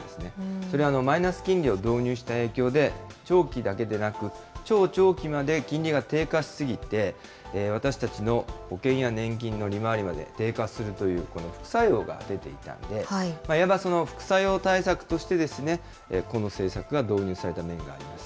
それはマイナス金利を導入した影響で、長期だけでなく、超長期まで金利が低下し過ぎて、私たちの保険や年金の利回りまで低下するという副作用が出ていたので、いわばその副作用対策として、この政策が導入された面があります。